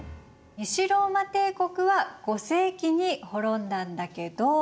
西ローマ帝国は５世紀に滅んだんだけど。